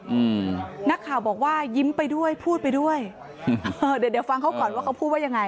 อืมนักข่าวบอกว่ายิ้มไปด้วยพูดไปด้วยเออเดี๋ยวเดี๋ยวฟังเขาก่อนว่าเขาพูดว่ายังไง